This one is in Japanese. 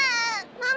ママ？